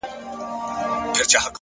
زما د ميني جنډه پورته ښه ده’